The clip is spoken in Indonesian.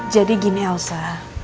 jadi gini elsa